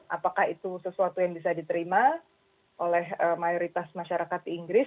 apakah itu sesuatu yang bisa diterima oleh mayoritas masyarakat inggris